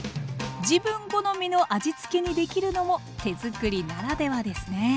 自分好みの味付けにできるのも手づくりならではですね。